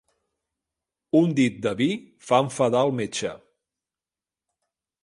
Un dit de vi fa enfadar el metge.